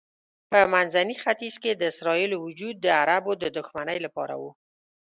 په منځني ختیځ کې د اسرائیلو وجود د عربو د دښمنۍ لپاره و.